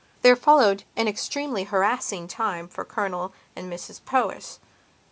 There followed an extremely harassing time for Colonel and Mrs Powys.